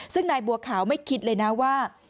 ซึ่งนายบัวขาวไม่คิดเลยนะว่า